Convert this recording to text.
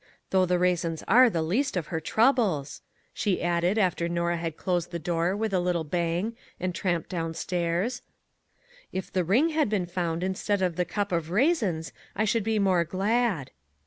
Though the raisins are the least of her troubles," she added, after Norah had .closed the door with a little bang and tramped downstairs ;" if the ring had been found instead of the cup of raisins, I should be more glad."